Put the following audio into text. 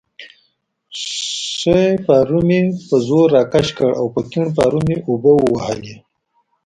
ښی پارو مې په زور راکش کړ او په کیڼ پارو مې اوبه ووهلې.